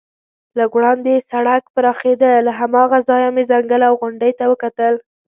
لږ وړاندې سړک پراخېده، له هماغه ځایه مې ځنګل او غونډۍ ته وکتل.